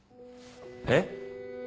えっ？